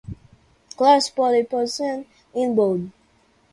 Class pole position in bold.